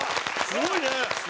すごいね。